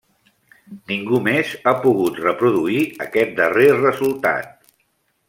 Ningú més ha pogut reproduir aquest darrer resultat.